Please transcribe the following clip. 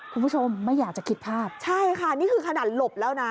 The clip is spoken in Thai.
คุณผู้ชมไม่อยากจะคิดภาพใช่ค่ะนี่คือขนาดหลบแล้วนะ